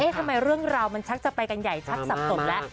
ทำไมเรื่องราวมันชักจะไปกันใหญ่ชักสับสนแล้ว